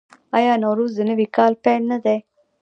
آیا نوروز د نوي کال پیل نه دی؟